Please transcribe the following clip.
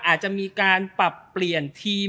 อาจจะมีการปรับเปลี่ยนทีม